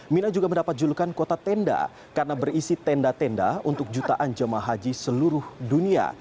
mina juga mendapat julukan kota tenda karena berisi tenda tenda untuk jutaan jemaah haji seluruh dunia